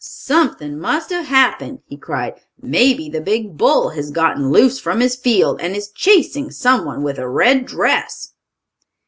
"Something must have happened!" he cried. "Maybe the big bull has gotten loose from his field, and is chasing someone with a red dress."